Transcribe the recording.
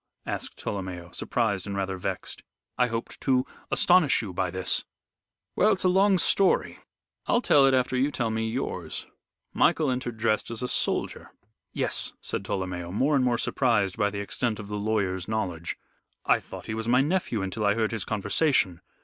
asked Tolomeo, surprised and rather vexed. "I hoped to astonish you by this." "Well, it's a long story. I'll tell it after you tell me yours. Michael entered dressed as a soldier." "Yes," said Tolomeo, more and more surprised by the extent of the lawyer's knowledge. "I thought he was my nephew until I heard his conversation.